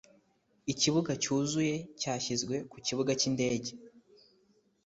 ikibuga cyuzuye cyashyizwe ku kibuga cyindege.